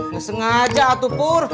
ngeseng aja atupur